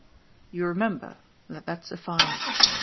You remember ; let that suffice.